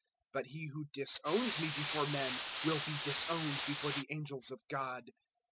012:009 But he who disowns me before men will be disowned before the angels of God.